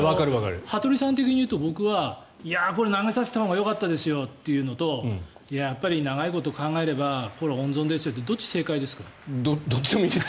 羽鳥さん的に言うと僕はこれは投げさせたほうがよかったですよというのといや、やっぱり長いこと考えれば温存ですよってどっちでもいいです。